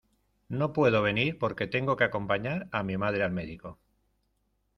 No puedo venir porque tengo que acompañar a mi madre al médico.